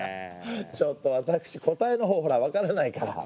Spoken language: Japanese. ちょっと私答えのほうほらわからないから。